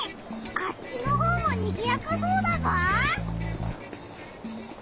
あっちのほうもにぎやかそうだぞ！